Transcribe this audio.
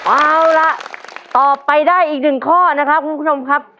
เอาล่ะตอบไปได้อีกหนึ่งข้อนะครับคุณผู้ชมครับ